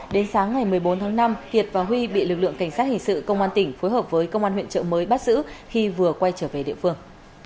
đến sáng ngày một mươi bốn tháng năm kiệt và huy bị lực lượng cảnh sát hình sự công an tỉnh phối hợp với công an huyện trợ mới bắt giữ khi vừa quay trở về địa phương